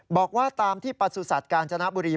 บอกว่าตามที่ประสุทธิ์ศัตริย์การจนบุรี